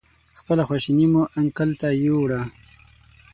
خپله خواشیني مو انکل ته ویوړه.